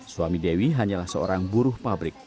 suami dewi hanyalah seorang buruh pabrik